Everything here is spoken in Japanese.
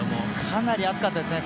かなり暑かったですね。